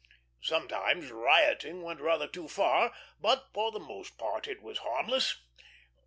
Sometimes rioting went rather too far, but for the most part it was harmless.